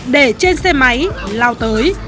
để trên xe máy lao tới